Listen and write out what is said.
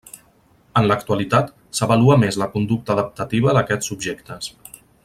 En l'actualitat, s'avalua més la conducta adaptativa d'aquests subjectes.